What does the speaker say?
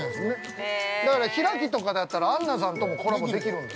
だから、開きとかだったらアンナさんともコラボできるんです。